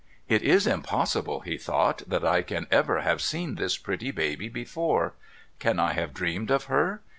' It is impossible,' he thought, ' that I can ever have seen this pretty baby before. Can I have dreamed of her